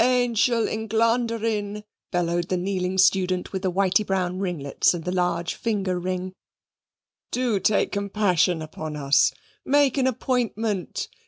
"Angel Englanderinn!" bellowed the kneeling student with the whity brown ringlets and the large finger ring, "do take compassion upon us. Make an appointment.